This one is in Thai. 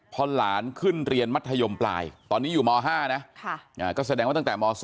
พอหลานขึ้นเรียนมัธยมปลายตอนนี้อยู่ม๕นะก็แสดงว่าตั้งแต่ม๒